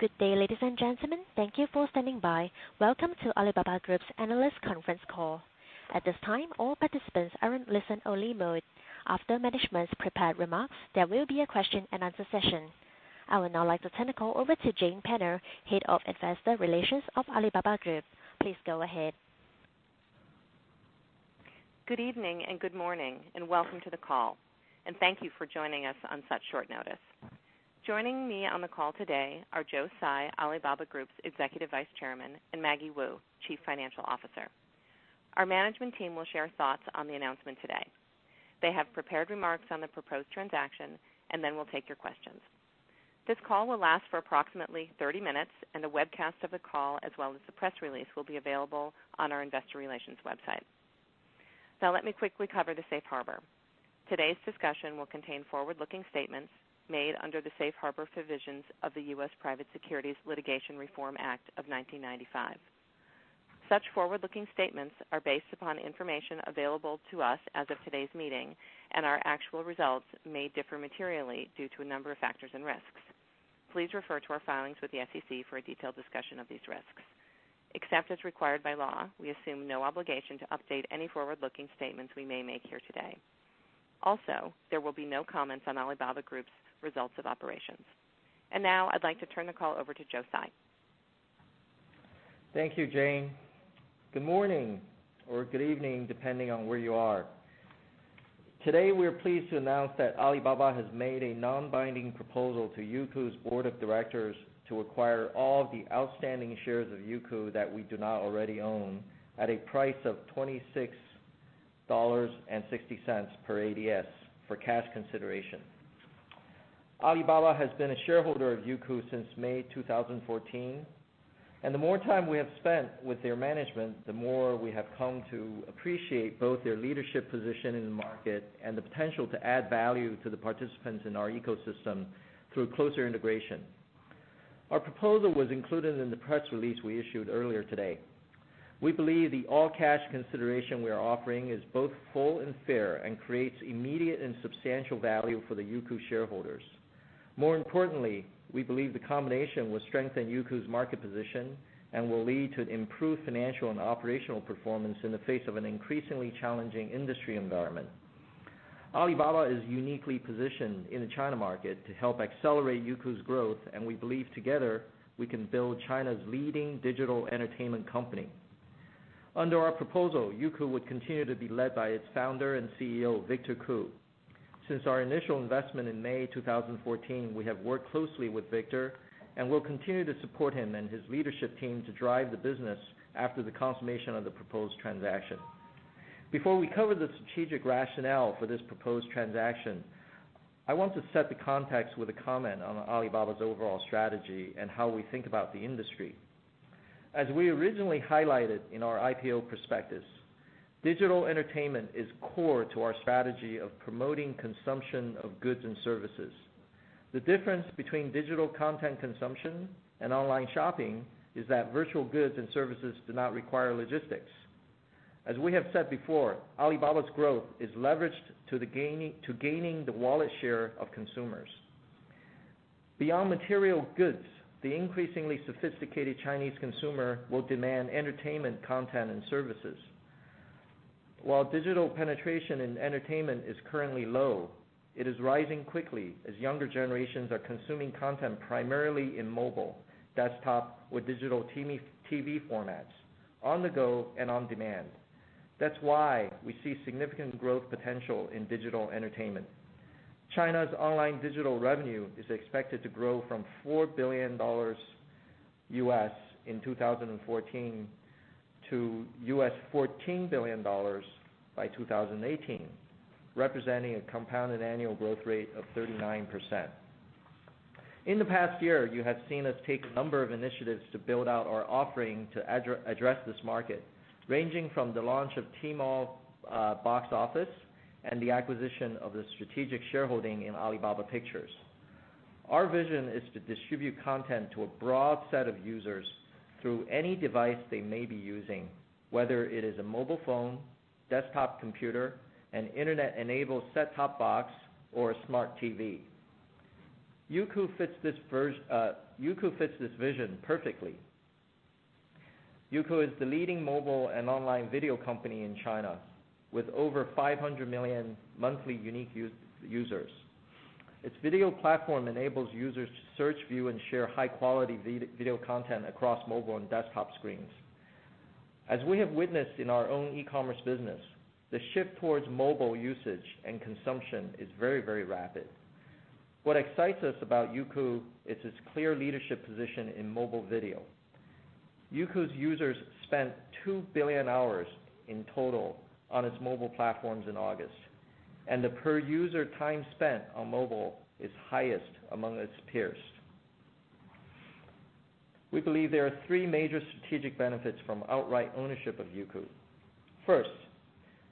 Good day, ladies and gentlemen. Thank you for standing by. Welcome to Alibaba Group's analyst conference call. At this time, all participants are in listen only mode. After management's prepared remarks, there will be a question-and-answer session. I would now like to turn the call over to Jane Penner, Head of Investor Relations of Alibaba Group. Please go ahead. Good evening and good morning. Welcome to the call, and thank you for joining us on such short notice. Joining me on the call today are Joe Tsai, Alibaba Group's Executive Vice Chairman, and Maggie Wu, Chief Financial Officer. Our management team will share thoughts on the announcement today. They have prepared remarks on the proposed transaction. Then we'll take your questions. This call will last for approximately 30 minutes. A webcast of the call, as well as the press release, will be available on our investor relations website. Now, let me quickly cover the safe harbor. Today's discussion will contain forward-looking statements made under the safe harbor provisions of the U.S. Private Securities Litigation Reform Act of 1995. Such forward-looking statements are based upon information available to us as of today's meeting. Our actual results may differ materially due to a number of factors and risks. Please refer to our filings with the SEC for a detailed discussion of these risks. Except as required by law, we assume no obligation to update any forward-looking statements we may make here today. Also, there will be no comments on Alibaba Group's results of operations. Now I'd like to turn the call over to Joe Tsai. Thank you, Jane. Good morning, or good evening, depending on where you are. Today, we are pleased to announce that Alibaba has made a non-binding proposal to Youku's board of directors to acquire all the outstanding shares of Youku that we do not already own at a price of $26.60 per ADS for cash consideration. Alibaba has been a shareholder of Youku since May 2014. The more time we have spent with their management, the more we have come to appreciate both their leadership position in the market and the potential to add value to the participants in our ecosystem through closer integration. Our proposal was included in the press release we issued earlier today. We believe the all-cash consideration we are offering is both full and fair and creates immediate and substantial value for the Youku shareholders. More importantly, we believe the combination will strengthen Youku's market position and will lead to improved financial and operational performance in the face of an increasingly challenging industry environment. Alibaba is uniquely positioned in the China market to help accelerate Youku's growth, and we believe together we can build China's leading digital entertainment company. Under our proposal, Youku would continue to be led by its founder and CEO, Victor Koo. Since our initial investment in May 2014, we have worked closely with Victor and will continue to support him and his leadership team to drive the business after the consummation of the proposed transaction. Before we cover the strategic rationale for this proposed transaction, I want to set the context with a comment on Alibaba's overall strategy and how we think about the industry. As we originally highlighted in our IPO prospectus, digital entertainment is core to our strategy of promoting consumption of goods and services. The difference between digital content consumption and online shopping is that virtual goods and services do not require logistics. As we have said before, Alibaba's growth is leveraged to gaining the wallet share of consumers. Beyond material goods, the increasingly sophisticated Chinese consumer will demand entertainment content and services. While digital penetration in entertainment is currently low, it is rising quickly as younger generations are consuming content primarily in mobile, desktop with digital TV formats, on the go and on demand. That's why we see significant growth potential in digital entertainment. China's online digital revenue is expected to grow from $4 billion in 2014 to $14 billion by 2018, representing a compounded annual growth rate of 39%. In the past year, you have seen us take a number of initiatives to build out our offering to address this market, ranging from the launch of Tmall Box Office and the acquisition of the strategic shareholding in Alibaba Pictures. Our vision is to distribute content to a broad set of users through any device they may be using, whether it is a mobile phone, desktop computer, an internet-enabled set-top box, or a smart TV. Youku fits this vision perfectly. Youku is the leading mobile and online video company in China, with over 500 million monthly unique users. Its video platform enables users to search, view and share high quality video content across mobile and desktop screens. As we have witnessed in our own e-commerce business, the shift towards mobile usage and consumption is very rapid. What excites us about Youku is its clear leadership position in mobile video. Youku's users spent 2 billion hours in total on its mobile platforms in August, and the per user time spent on mobile is highest among its peers. We believe there are three major strategic benefits from outright ownership of Youku. First,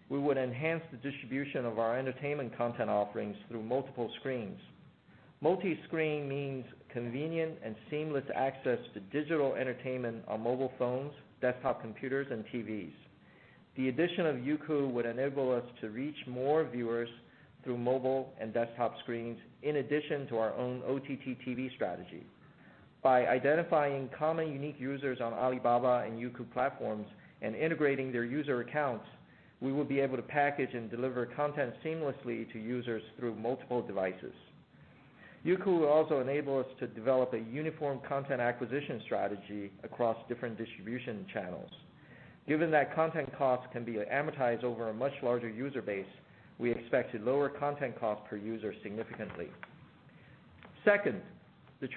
we would enhance the distribution of our entertainment content offerings through multiple screens. Multi-screen means convenient and seamless access to digital entertainment on mobile phones, desktop computers and TVs. The addition of Youku would enable us to reach more viewers through mobile and desktop screens in addition to our own OTT TV strategy. By identifying common unique users on Alibaba and Youku platforms and integrating their user accounts, we will be able to package and deliver content seamlessly to users through multiple devices. Youku will also enable us to develop a uniform content acquisition strategy across different distribution channels. Given that content costs can be amortized over a much larger user base, we expect to lower content cost per user significantly. Second, this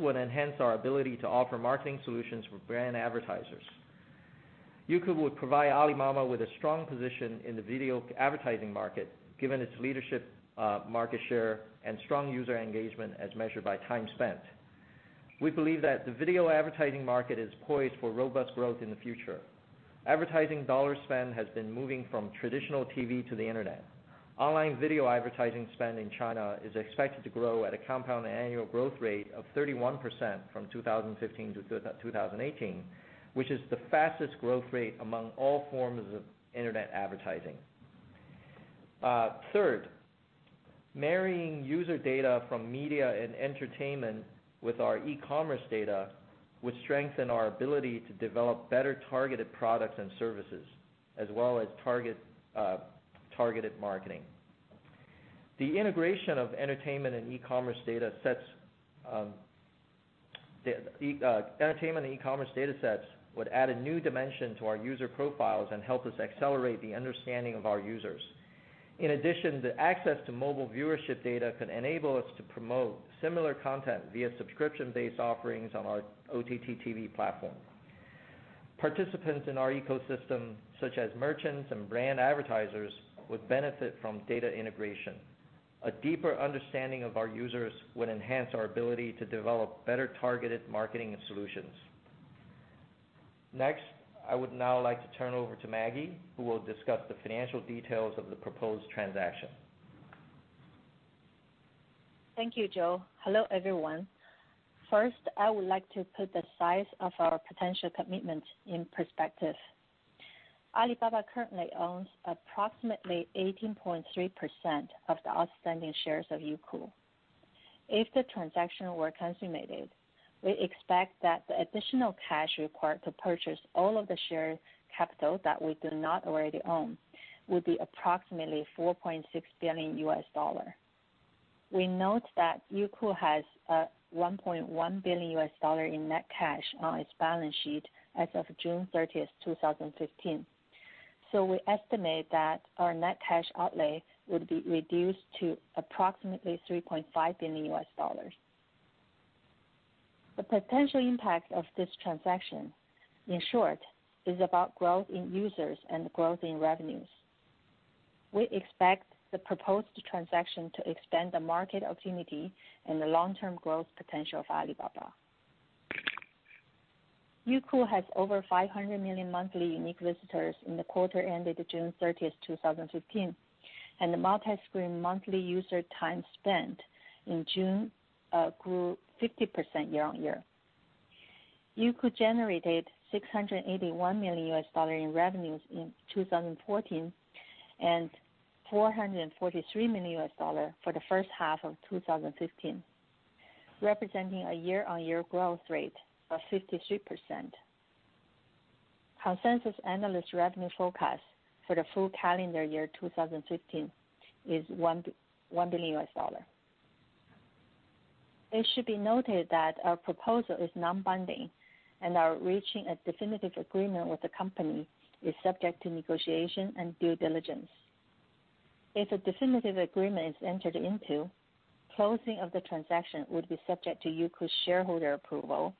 would enhance our ability to offer marketing solutions for brand advertisers. Youku would provide Alimama with a strong position in the video advertising market, given its leadership, market share, and strong user engagement as measured by time spent. We believe that the video advertising market is poised for robust growth in the future. Advertising dollar spend has been moving from traditional TV to the internet. Online video advertising spend in China is expected to grow at a compound annual growth rate of 31% from 2015 to 2018, which is the fastest growth rate among all forms of internet advertising. Third, marrying user data from media and entertainment with our e-commerce data would strengthen our ability to develop better targeted products and services, as well as targeted marketing. The integration of entertainment and e-commerce data sets would add a new dimension to our user profiles and help us accelerate the understanding of our users. In addition, the access to mobile viewership data could enable us to promote similar content via subscription-based offerings on our OTT TV platform. Participants in our ecosystem, such as merchants and brand advertisers, would benefit from data integration. A deeper understanding of our users would enhance our ability to develop better targeted marketing solutions. Next, I would now like to turn it over to Maggie, who will discuss the financial details of the proposed transaction. Thank you, Joe. Hello, everyone. First, I would like to put the size of our potential commitment in perspective. Alibaba currently owns approximately 18.3% of the outstanding shares of Youku. If the transaction were consummated, we expect that the additional cash required to purchase all of the share capital that we do not already own would be approximately $4.6 billion. We note that Youku has $1.1 billion in net cash on its balance sheet as of June 30, 2015. We estimate that our net cash outlay would be reduced to approximately $3.5 billion. The potential impact of this transaction, in short, is about growth in users and growth in revenues. We expect the proposed transaction to extend the market opportunity and the long-term growth potential of Alibaba. Youku has over 500 million monthly unique visitors in the quarter ended June 30, 2015, and the multi-screen monthly user time spent in June grew 50% year-on-year. Youku generated $681 million in revenues in 2014 and $443 million for the first half of 2015, representing a year-on-year growth rate of 53%. Consensus analyst revenue forecast for the full calendar year 2015 is $1 billion. It should be noted that our proposal is non-binding and our reaching a definitive agreement with the company is subject to negotiation and due diligence. If a definitive agreement is entered into, closing of the transaction would be subject to Youku's shareholder approval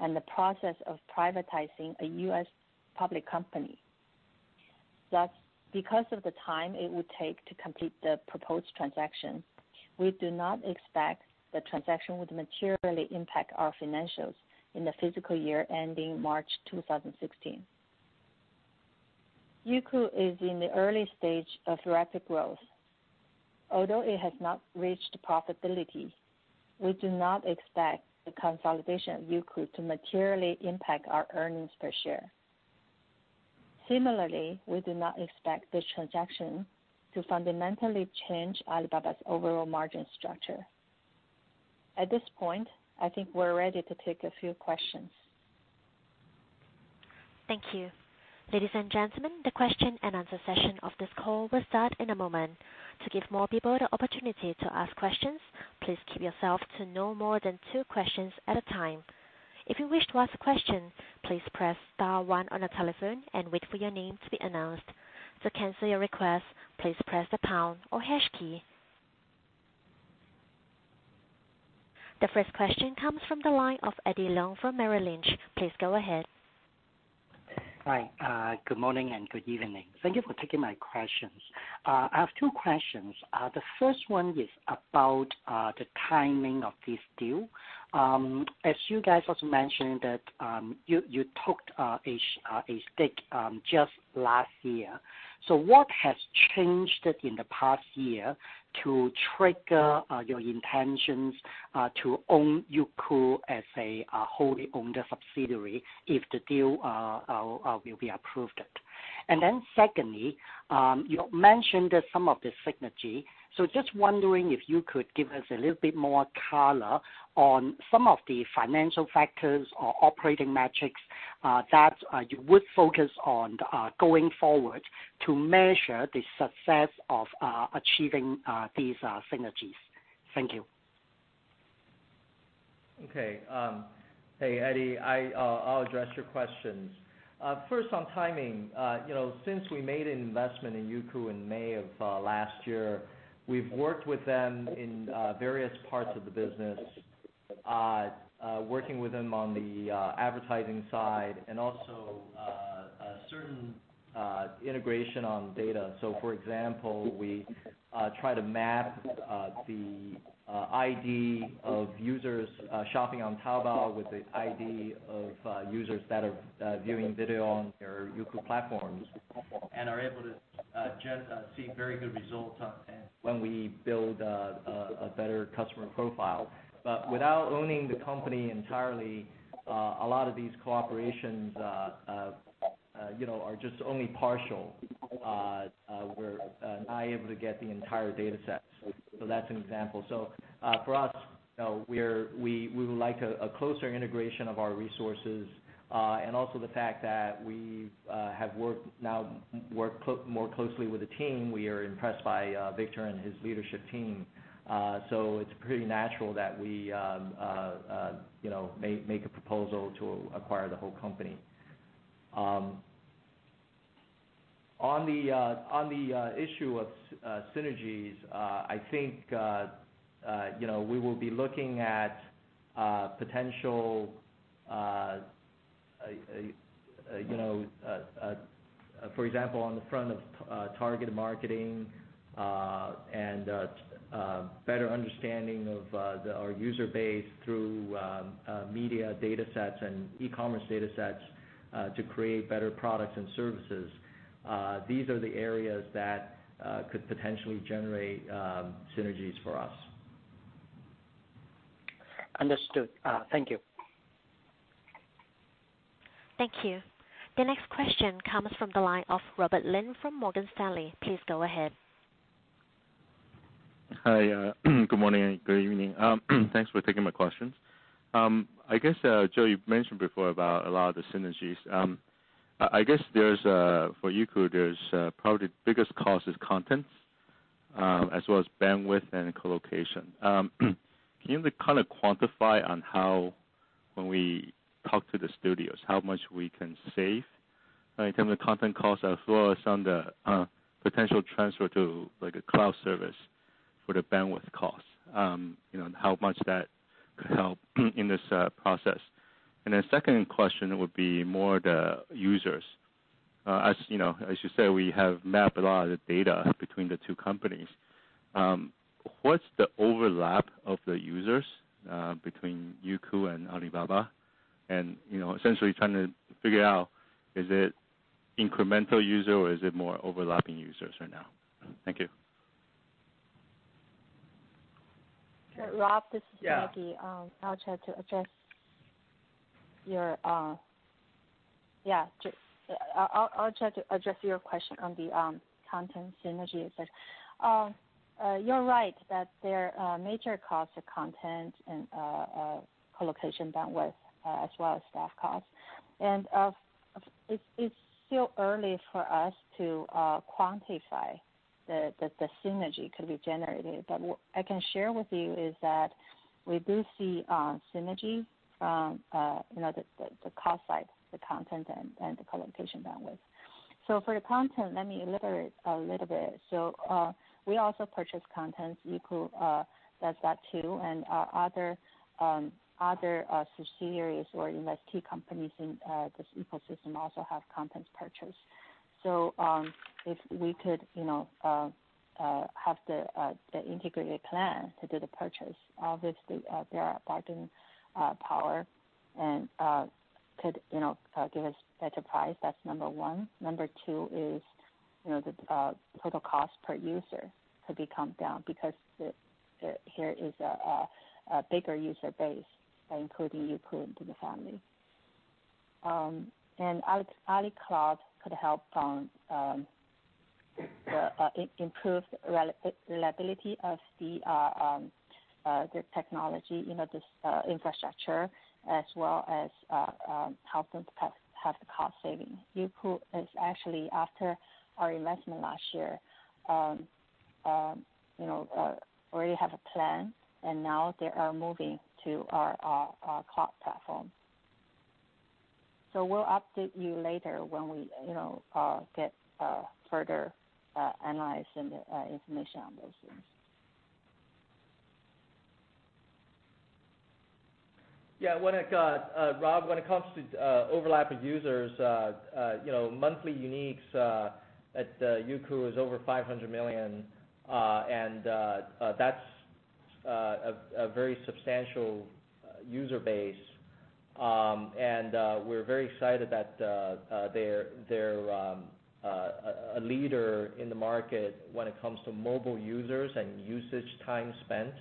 and the process of privatizing a U.S. public company. Because of the time it would take to complete the proposed transaction, we do not expect the transaction would materially impact our financials in the fiscal year ending March 2016. Youku is in the early stage of rapid growth. Although it has not reached profitability, we do not expect the consolidation of Youku to materially impact our earnings per share. Similarly, we do not expect this transaction to fundamentally change Alibaba's overall margin structure. At this point, I think we're ready to take a few questions. Thank you. Ladies and gentlemen, the question and answer session of this call will start in a moment. To give more people the opportunity to ask questions, please keep yourself to no more than two questions at a time. If you wish to ask a question, please press *1 on a telephone and wait for your name to be announced. To cancel your request, please press the pound or hash key. The first question comes from the line of Eddie Leung from Merrill Lynch. Please go ahead. Hi. Good morning and good evening. Thank you for taking my questions. I have two questions. The first one is about the timing of this deal. What has changed in the past year to trigger your intentions to own Youku as a wholly owned subsidiary if the deal will be approved? Secondly, you mentioned some of the synergy. Just wondering if you could give us a little bit more color on some of the financial factors or operating metrics that you would focus on going forward to measure the success of achieving these synergies. Thank you. Okay. Hey, Eddie, I'll address your questions. First on timing. Since we made an investment in Youku in May of last year, we've worked with them in various parts of the business, working with them on the advertising side and also certain integration on data. For example, we try to map the ID of users shopping on Taobao with the ID of users that are viewing video on their Youku platforms and are able to see very good results when we build a better customer profile. Without owning the company entirely, a lot of these cooperations are just only partial. We're not able to get the entire data set. That's an example. For us, we would like a closer integration of our resources. Also the fact that we have now worked more closely with the team. We are impressed by Victor and his leadership team. It's pretty natural that we make a proposal to acquire the whole company. On the issue of synergies, I think we will be looking at potential, for example, on the front of targeted marketing and better understanding of our user base through media data sets and e-commerce data sets to create better products and services. These are the areas that could potentially generate synergies for us. Understood. Thank you. Thank you. The next question comes from the line of Robert Lin from Morgan Stanley. Please go ahead. Hi. Good morning. Good evening. Thanks for taking my questions. I guess, Joe, you've mentioned before about a lot of the synergies. I guess for Youku, probably the biggest cost is content as well as bandwidth and colocation. Can you kind of quantify on how, when we talk to the studios, how much we can save in terms of content costs, as well as on the potential transfer to a cloud service for the bandwidth costs, and how much that could help in this process? Second question would be more the users. As you said, we have mapped a lot of the data between the two companies. What's the overlap of the users between Youku and Alibaba? And essentially trying to figure out, is it incremental user or is it more overlapping users right now? Thank you. Rob, this is Maggie. Yeah. I'll try to address your question on the content synergy. You're right that their major costs are content and colocation bandwidth as well as staff costs. It's still early for us to quantify the synergy could be generated. What I can share with you is that we do see synergy from the cost side, the content and the colocation bandwidth. For the content, let me elaborate a little bit. We also purchase content. Youku does that too, and our other subsidiaries or investee companies in this ecosystem also have content purchase. If we could have the integrated plan to do the purchase, obviously there are bargaining power and could give us better price. That's number one. Number two is the total cost per user could be calmed down because here is a bigger user base by including Youku into the family. Alibaba Cloud could help improve reliability of the technology, this infrastructure as well as help them have the cost saving. Youku is actually after our investment last year, already have a plan and now they are moving to our cloud platform. We'll update you later when we get further analysis and information on those things. Rob, when it comes to overlapping users, monthly uniques at Youku is over 500 million. That's a very substantial user base. We're very excited that they're a leader in the market when it comes to mobile users and usage time spent.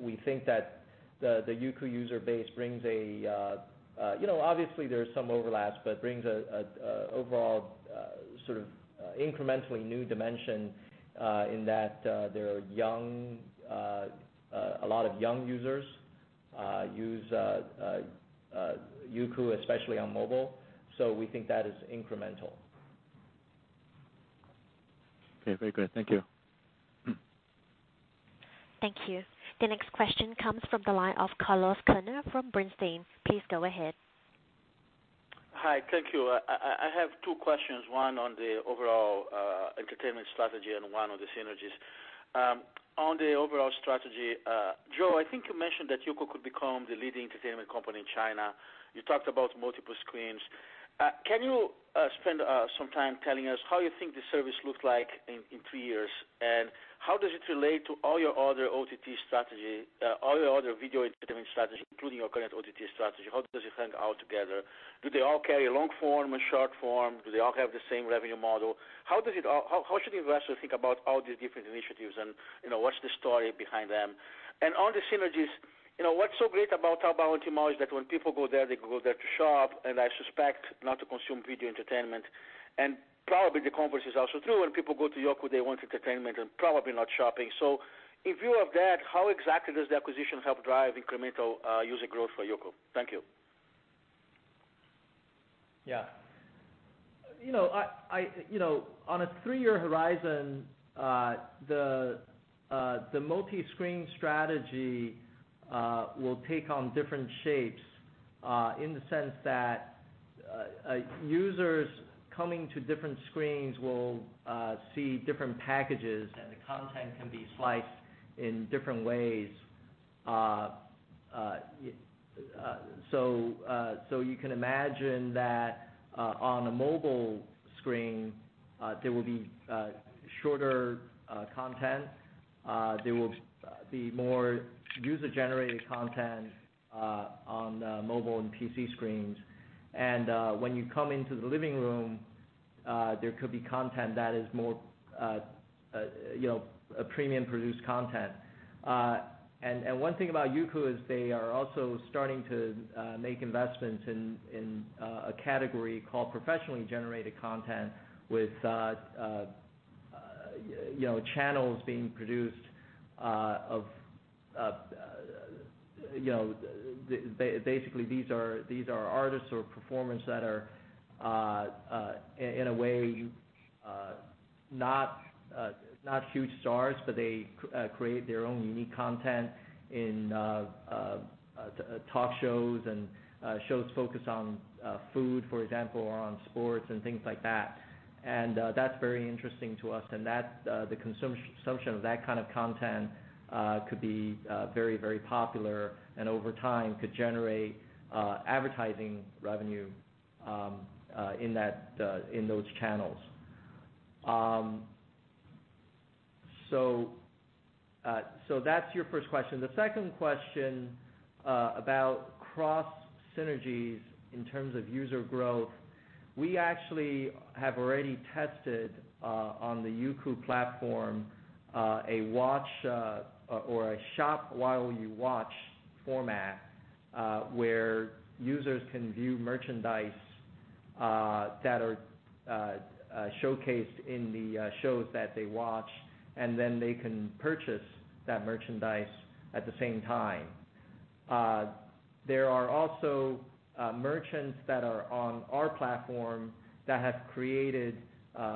We think that the Youku user base, obviously there's some overlaps, but brings an overall sort of incrementally new dimension in that a lot of young users use Youku, especially on mobile. We think that is incremental. Okay, very great. Thank you. Thank you. The next question comes from the line of Carlos Kirjner from Bernstein. Please go ahead. Hi, thank you. I have two questions, one on the overall entertainment strategy and one on the synergies. On the overall strategy, Joe, I think you mentioned that Youku could become the leading entertainment company in China. You talked about multiple screens. Can you spend some time telling us how you think the service looks like in three years, and how does it relate to all your other video entertainment strategy, including your current OTT strategy? How does it hang all together? Do they all carry long form and short form? Do they all have the same revenue model? How should the investor think about all these different initiatives, and what's the story behind them? On the synergies, what's so great about Taobao and Tmall is that when people go there, they go there to shop, and I suspect not to consume video entertainment. Probably the converse is also true. When people go to Youku, they want entertainment and probably not shopping. In view of that, how exactly does the acquisition help drive incremental user growth for Youku? Thank you. On a three-year horizon, the multi-screen strategy will take on different shapes, in the sense that users coming to different screens will see different packages, and the content can be sliced in different ways. You can imagine that on a mobile screen, there will be shorter content. There will be more user-generated content on the mobile and PC screens. When you come into the living room, there could be content that is more premium-produced content. One thing about Youku is they are also starting to make investments in a category called professionally generated content with channels being produced. Basically, these are artists or performers that are, in a way, not huge stars, but they create their own unique content in talk shows and shows focused on food, for example, or on sports and things like that. That's very interesting to us. The consumption of that kind of content could be very popular and over time could generate advertising revenue in those channels. That's your first question. The second question about cross synergies in terms of user growth, we actually have already tested on the Youku platform a watch or a shop-while-you-watch format, where users can view merchandise that are showcased in the shows that they watch, then they can purchase that merchandise at the same time. There are also merchants that are on our platform that have created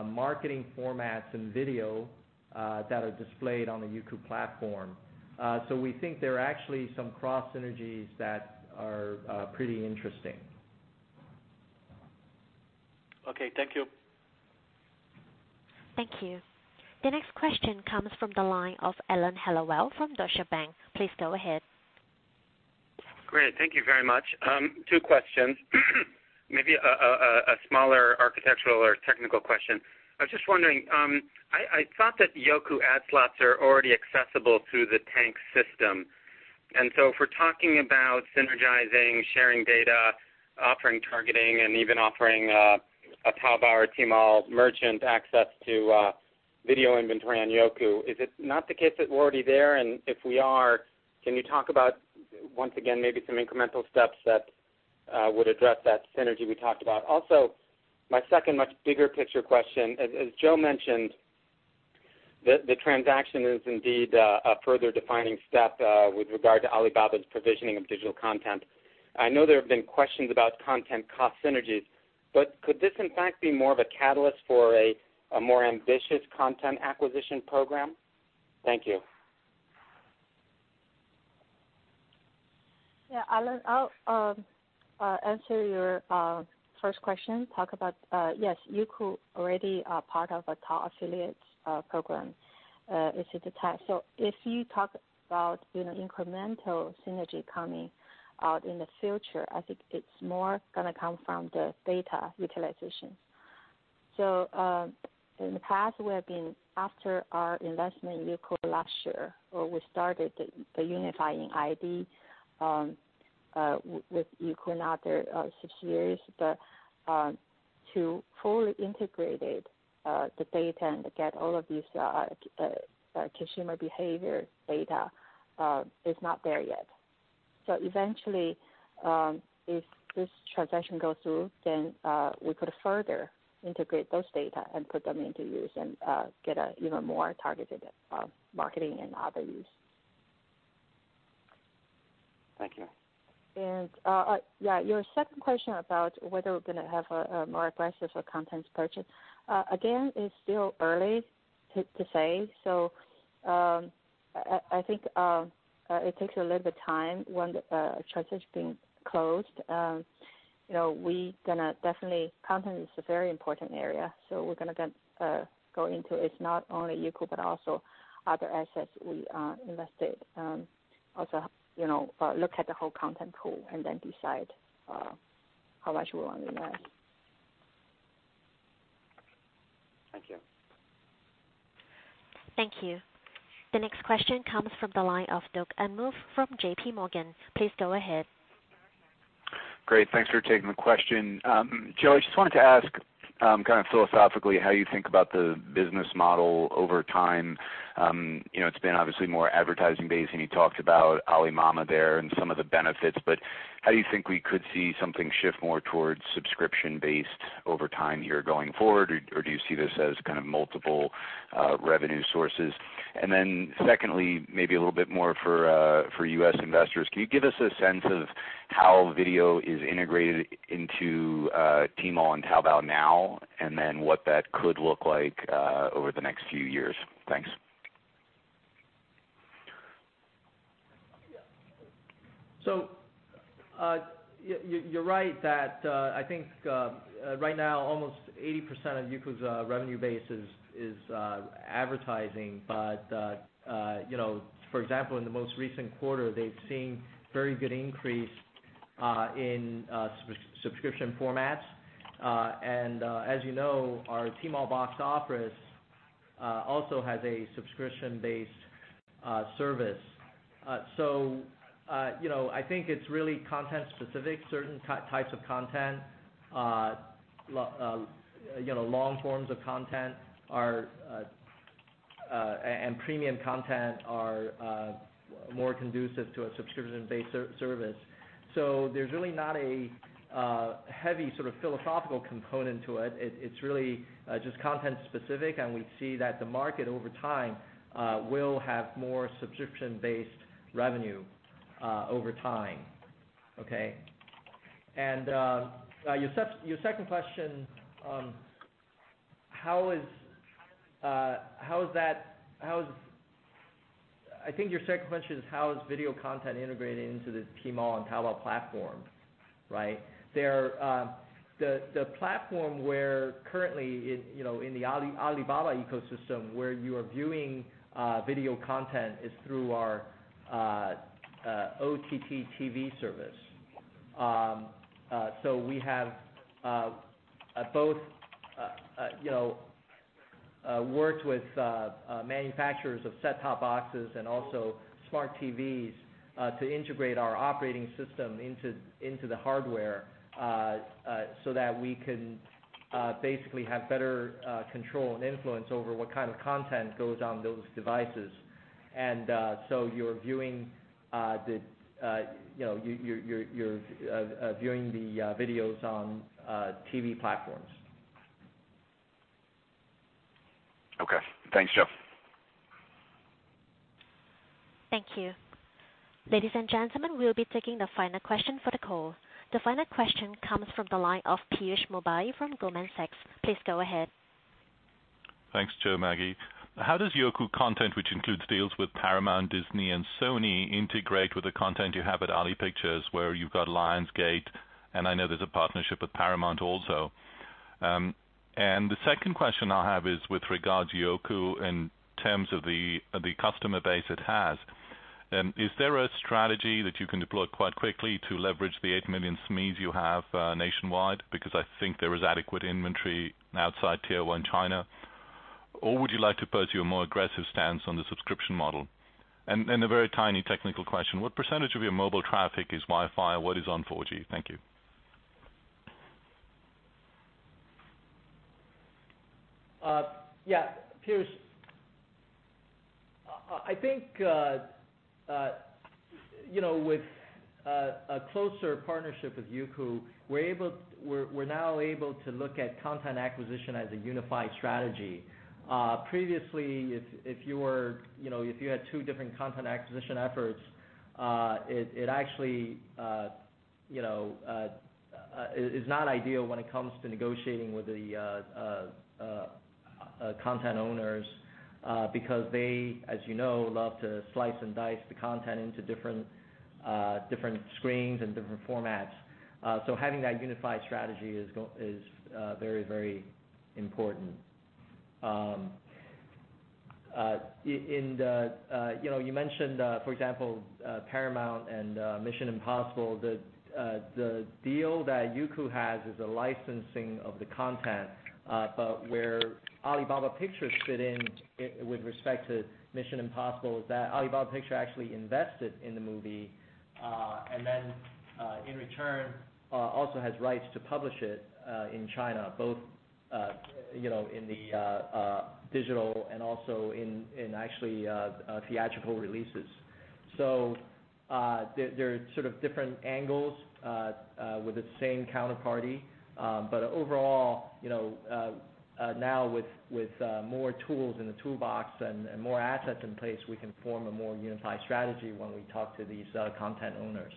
marketing formats and video that are displayed on the Youku platform. We think there are actually some cross synergies that are pretty interesting. Okay, thank you. Thank you. The next question comes from the line of Alan Hellawell from Deutsche Bank. Please go ahead. Great. Thank you very much. Two questions. Maybe a smaller architectural or technical question. I was just wondering, I thought that Youku ad slots are already accessible through the Tanx system. If we're talking about synergizing, sharing data, offering targeting, and even offering a Taobao or Tmall merchant access to video inventory on Youku, is it not the case that we're already there? If we are, can you talk about, once again, maybe some incremental steps that would address that synergy we talked about? Also, my second much bigger picture question, as Joe mentioned, the transaction is indeed a further defining step with regard to Alibaba's provisioning of digital content. I know there have been questions about content cost synergies, could this in fact be more of a catalyst for a more ambitious content acquisition program? Thank you. Yeah, Alan, I'll answer your first question. Yes, Youku already are part of a top affiliates program with Tanx. If you talk about incremental synergy coming out in the future, I think it's more going to come from the data utilization. In the past, after our investment in Youku last year, where we started the unifying six years, but to fully integrate the data and get all of this consumer behavior data is not there yet. Eventually, if this transaction goes through, then we could further integrate those data and put them into use and get an even more targeted marketing and other use. Thank you. Your second question about whether we're going to have a more aggressive content purchase. Again, it's still early to say. I think it takes a little bit of time once the transaction's been closed. Content is a very important area, so we're going to go into it, not only Youku, but also other assets we invested. Look at the whole content pool and then decide how much we want to invest. Thank you. Thank you. The next question comes from the line of Doug Anmuth from JPMorgan. Please go ahead. Great. Thanks for taking the question. Joe, I just wanted to ask, kind of philosophically, how you think about the business model over time. It's been obviously more advertising based, and you talked about Alibaba there and some of the benefits, but how do you think we could see something shift more towards subscription-based over time here going forward? Do you see this as kind of multiple revenue sources? Secondly, maybe a little bit more for U.S. investors, can you give us a sense of how video is integrated into Tmall and Taobao now? What that could look like over the next few years? Thanks. You're right that, I think right now almost 80% of Youku's revenue base is advertising, but for example, in the most recent quarter, they've seen very good increase in subscription formats. As you know, our Tmall Box Office also has a subscription-based service. I think it's really content specific. Certain types of content, long forms of content and premium content are more conducive to a subscription-based service. There's really not a heavy sort of philosophical component to it. It's really just content specific, we see that the market over time will have more subscription-based revenue over time. Okay. Your second question. I think your second question is how is video content integrated into the Tmall and Taobao platform, right? The platform where currently in the Alibaba ecosystem where you are viewing video content is through our OTT TV service. We have both worked with manufacturers of set-top boxes and also smart TVs, to integrate our operating system into the hardware, so that we can basically have better control and influence over what kind of content goes on those devices. You're viewing the videos on TV platforms. Okay. Thanks, Joe. Thank you. Ladies and gentlemen, we'll be taking the final question for the call. The final question comes from the line of Piyush Mubayi from Goldman Sachs. Please go ahead. Thanks, Joe, Maggie. How does Youku content, which includes deals with Paramount, Disney, and Sony, integrate with the content you have at Alibaba Pictures where you've got Lionsgate, and I know there's a partnership with Paramount also. The second question I have is with regard to Youku in terms of the customer base it has. Is there a strategy that you can deploy quite quickly to leverage the 8 million SMEs you have nationwide? Because I think there is adequate inventory outside tier 1 China, or would you like to pursue a more aggressive stance on the subscription model? A very tiny technical question, what % of your mobile traffic is WiFi? What is on 4G? Thank you. Yeah, Piyush. I think with a closer partnership with Youku, we're now able to look at content acquisition as a unified strategy. Previously, if you had two different content acquisition efforts, it actually is not ideal when it comes to negotiating with the content owners, because they, as you know, love to slice and dice the content into different screens and different formats. Having that unified strategy is very important. You mentioned, for example, Paramount and Mission: Impossible, The deal that Youku has is a licensing of the content. Where Alibaba Pictures fit in with respect to Mission: Impossible is that Alibaba Pictures actually invested in the movie, and then, in return, also has rights to publish it in China, both in the digital and also in actually theatrical releases. There's different angles with the same counterparty. Overall, now with more tools in the toolbox and more assets in place, we can form a more unified strategy when we talk to these content owners.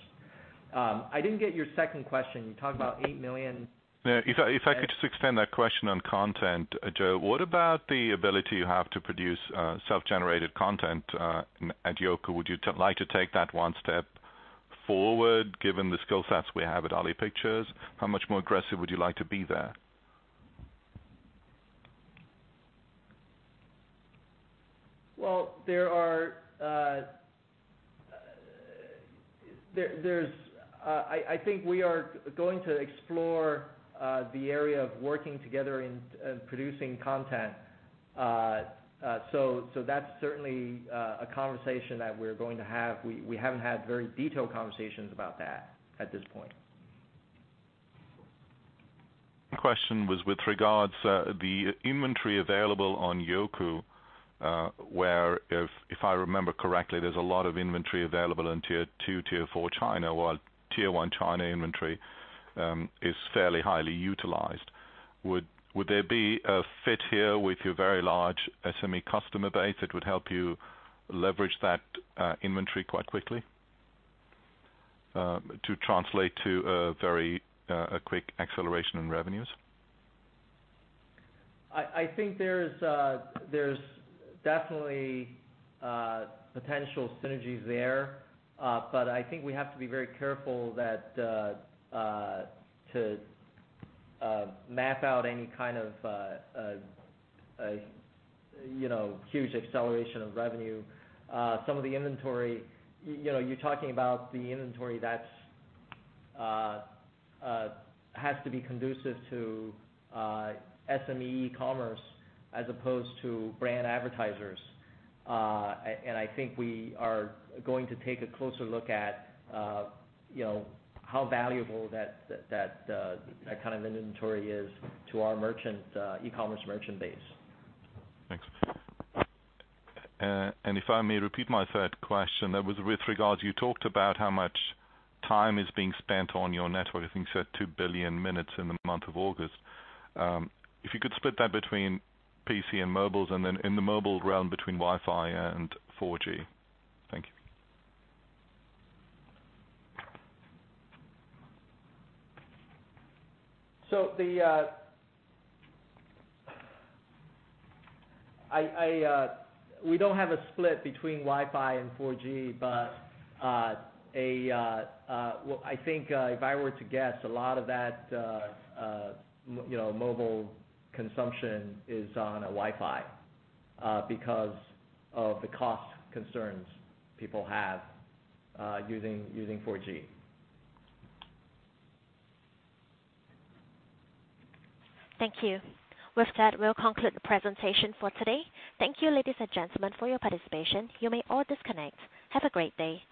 I didn't get your second question. You talked about 8 million- Yeah, if I could just expand that question on content, Joe. What about the ability you have to produce self-generated content at Youku? Would you like to take that one step forward, given the skill sets we have at Alibaba Pictures? How much more aggressive would you like to be there? Well, I think we are going to explore the area of working together in producing content. That's certainly a conversation that we're going to have. We haven't had very detailed conversations about that at this point. Question was with regards to the inventory available on Youku, where, if I remember correctly, there's a lot of inventory available in tier 2, tier 4 China, while tier 1 China inventory is fairly highly utilized. Would there be a fit here with your very large SME customer base that would help you leverage that inventory quite quickly to translate to a very quick acceleration in revenues? I think there's definitely potential synergies there. I think we have to be very careful to map out any kind of huge acceleration of revenue. Some of the inventory, you're talking about the inventory that has to be conducive to SME e-commerce as opposed to brand advertisers. I think we are going to take a closer look at how valuable that kind of inventory is to our e-commerce merchant base. Thanks. If I may repeat my third question, that was with regards, you talked about how much time is being spent on your network. I think you said two billion minutes in the month of August. If you could split that between PC and mobiles, and then in the mobile realm, between Wi-Fi and 4G. Thank you. We don't have a split between Wi-Fi and 4G, but I think, if I were to guess, a lot of that mobile consumption is on a Wi-Fi because of the cost concerns people have using 4G. Thank you. With that, we'll conclude the presentation for today. Thank you, ladies and gentlemen, for your participation. You may all disconnect. Have a great day.